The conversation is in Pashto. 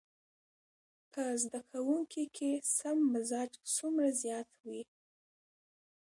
په زده کوونکي کې سم مزاج څومره زيات وي.